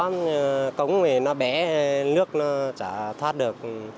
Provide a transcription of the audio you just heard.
đó cống thì nó bé nước nó chả thoát được